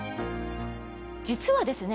実はですね